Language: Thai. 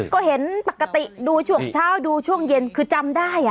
ก็เห็นปกติดูช่วงเช้าดูช่วงเย็นคือจำได้